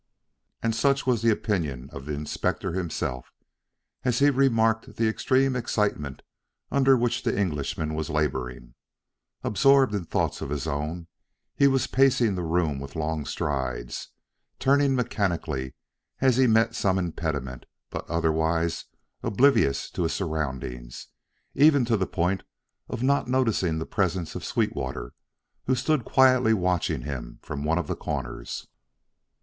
And such was the opinion of the Inspector himself, as he remarked the extreme excitement under which the Englishman was laboring. Absorbed in thoughts of his own, he was pacing the room with long strides, turning mechanically as he met some impediment, but otherwise oblivious to his surroundings, even to the point of not noting the presence of Sweetwater, who stood quietly watching him from one of the corners.